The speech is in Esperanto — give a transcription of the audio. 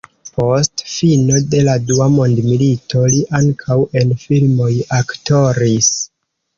Post fino de la dua mondmilito li ankaŭ en filmoj aktoris.